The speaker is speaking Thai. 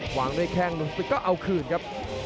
วางด้วยแข้งหนุ่มศึกก็เอาคืนครับ